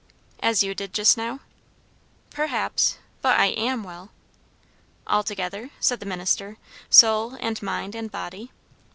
"As you did just now?" "Perhaps but I am well." "Altogether?" said the minister. "Soul and mind and body?"